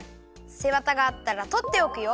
せわたがあったらとっておくよ。